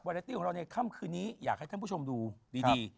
เรตตี้ของเราในค่ำคืนนี้อยากให้ท่านผู้ชมดูดี